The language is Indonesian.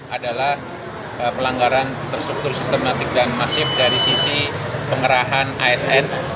adalah pelanggaran terstruktur sistematik dan masif dari sisi pengerahan asn